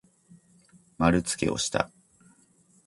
まるつけをした。